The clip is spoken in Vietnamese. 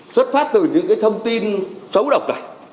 xuất phát từ những thông tin xấu độc này